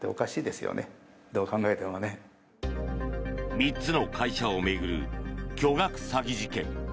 ３つの会社を巡る巨額詐欺事件。